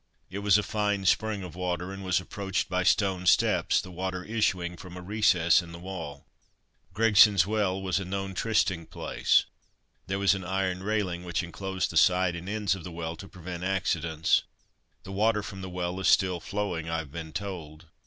It was a fine spring of water, and was approached by stone steps: the water issuing from a recess in the wall. "Gregson's Well" was a known trysting place. There was an iron railing which enclosed the side and ends of the well, to prevent accidents. The water from the well is still flowing, I have been told.